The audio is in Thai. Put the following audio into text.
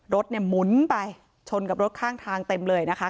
รถเนี่ยหมุนไปชนกับรถข้างทางเต็มเลยนะคะ